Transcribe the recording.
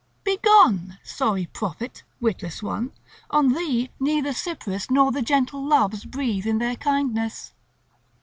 Begone, sorry prophet, witless one; on thee neither Cypris nor the gentle Loves breathe in their kindness."